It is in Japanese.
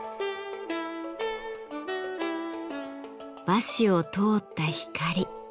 和紙を通った光。